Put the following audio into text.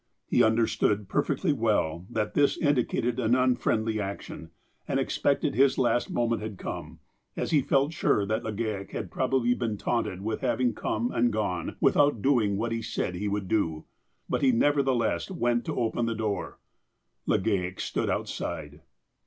He understood perfectly well that this indicated an un friendly action, and expected his last moment had come, as he felt sure that Legale had probably been taunted with having come and gone without doing what he had said he would do. But he, nevertheless, went to open the door. Legale stood outside.